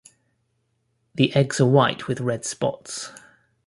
The eggs are white with red spots.